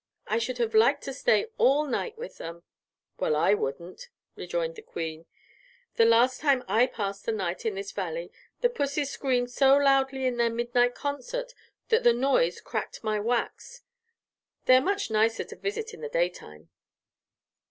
"I should have liked to stay all night with them." "Well, I wouldn't," rejoined the Queen. "The last time I passed the night in this Valley the pussys screamed so loudly at their midnight concert that the noise cracked my wax. They are much nicer to visit in the daytime."